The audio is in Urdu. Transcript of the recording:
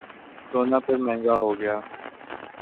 سونا پھر مہنگا ہوگیا